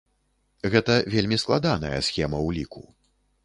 Гэта вельмі складаная схема ўліку.